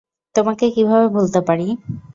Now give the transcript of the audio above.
তোমাকে কীভাবে ভুলতে পারি?